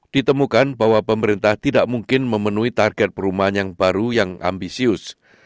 ditemukan bahwa pemerintah tidak mungkin memenuhi target perumahan yang baru yang ambisius